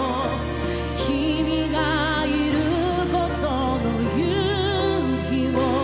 「君がいることの勇気を」